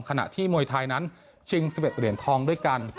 ขณะที่มวยไทยนั้นชิง๑๑เหรียญทองด้วยกัน